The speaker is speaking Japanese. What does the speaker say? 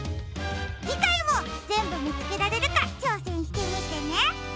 じかいもぜんぶみつけられるかちょうせんしてみてね。